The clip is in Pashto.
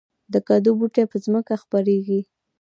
د کدو بوټی په ځمکه خپریږي